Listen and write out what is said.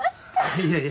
いやいや。